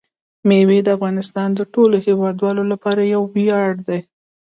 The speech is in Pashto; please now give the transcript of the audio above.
مېوې د افغانستان د ټولو هیوادوالو لپاره یو ویاړ دی.